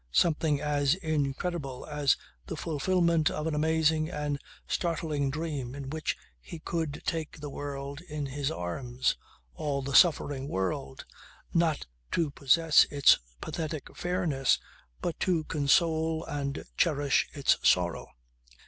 Something as incredible as the fulfilment of an amazing and startling dream in which he could take the world in his arms all the suffering world not to possess its pathetic fairness but to console and cherish its sorrow.